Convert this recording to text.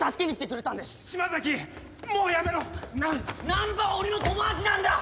難破は俺の友達なんだ！